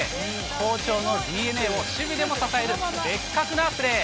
好調のＤｅＮＡを守備でも支えるベッカクなプレー。